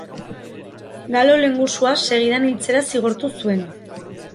Galo lehengusua segidan hiltzera zigortu zuen.